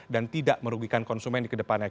dan tidak merugikan konsumen di kedepannya